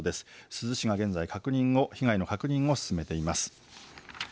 珠洲市が現在被害の確認を進めています。